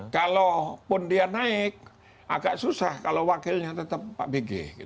kalaupun dia naik agak susah kalau wakilnya tetap pak bg